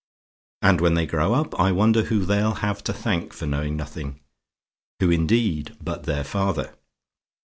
And when they grow up, I wonder who they'll have to thank for knowing nothing who, indeed, but their father?